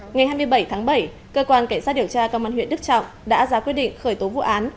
ngày hai mươi bảy tháng bảy cơ quan cảnh sát điều tra công an huyện đức trọng đã ra quyết định khởi tố vụ án